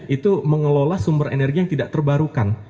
itu mengelola sumber energi yang tidak terbarukan